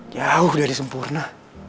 jauh dari sempurna